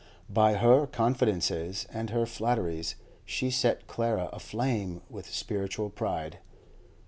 By her confidences and her flatteries she set Clara aflame with spiritual pride.